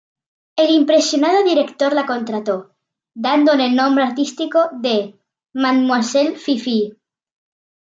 El impresionado director la contrató, dándole el nombre artístico de "Mademoiselle Fifi".